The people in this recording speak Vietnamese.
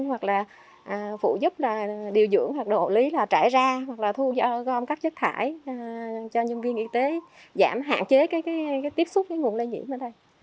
hoặc là phụ giúp là điều dưỡng hoặc độ lý là trải ra hoặc là thu gom các chất thải cho nhân viên y tế giảm hạn chế cái tiếp xúc với nguồn lây nhiễm ở đây